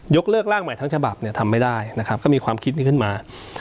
เลิกร่างใหม่ทั้งฉบับเนี่ยทำไม่ได้นะครับก็มีความคิดนี้ขึ้นมา